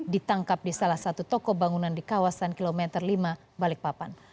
ditangkap di salah satu toko bangunan di kawasan kilometer lima balikpapan